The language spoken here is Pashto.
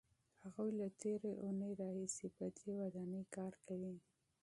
هغوی له تېرې اوونۍ راهیسې په دې ودانۍ کار کوي.